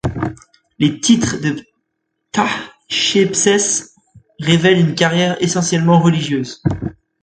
Les titres de Ptahchepsès révèlent une carrière essentiellement religieuse.